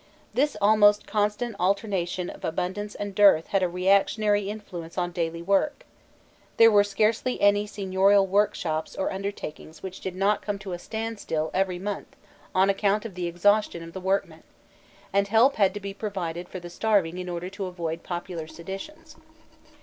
This almost constant alternation of abundance and dearth had a reactionary influence on daily work: there were scarcely any seignorial workshops or undertakings which did not come to a standstill every month on account of the exhaustion of the workmen, and help had to be provided for the starving in order to avoid popular seditions.